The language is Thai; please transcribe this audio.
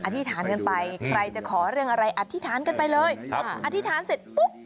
อธิษฐานกันไปใครจะขอเรื่องอะไรอธิษฐานกันไปเลยครับอธิษฐานเสร็จปุ๊บ